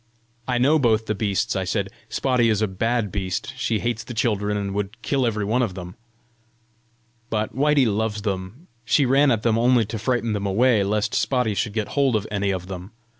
"I know both the beasts," I said. "Spotty is a bad beast. She hates the children, and would kill every one of them. But Whitey loves them. She ran at them only to frighten them away, lest Spotty should get hold of any of them.